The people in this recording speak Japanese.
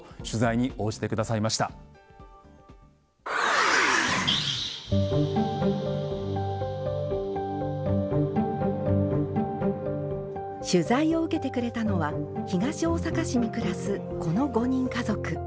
取材を受けてくれたのは東大阪市に暮らすこの５人家族。